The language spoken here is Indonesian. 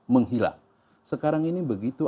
menghilang sekarang ini begitu